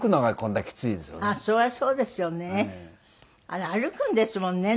あれ歩くんですもんね